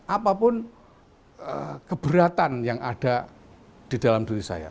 apapun keberatan yang ada di dalam diri saya